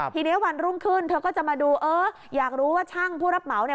ทีนี้วันรุ่งขึ้นเธอก็จะมาดูเอออยากรู้ว่าช่างผู้รับเหมาเนี่ย